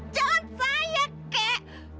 jangan saya kek